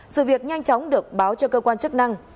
sự việc nhanh chóng được báo cho cơ quan chức năng